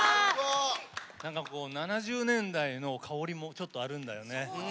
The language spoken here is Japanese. ７０年代の香りもちょっとあるんだよね。